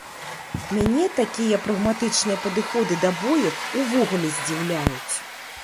Мяне такія прагматычныя падыходы да боек увогуле здзіўляюць.